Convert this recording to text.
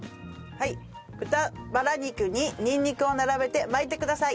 豚バラ肉ににんにくを並べて巻いてください。